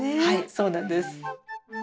はいそうなんです。